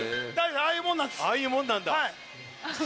ああいうもんなんです。